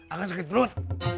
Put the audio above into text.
akan sakit perut